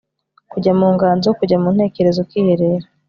kujya mu nganzo kujya mu ntekerezo ukiherera